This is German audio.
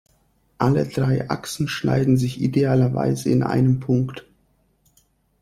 Alle drei Achsen schneiden sich idealerweise in einem Punkt.